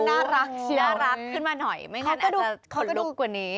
เครงก็น่ารักจริงน่ารักขึ้นมาหน่อย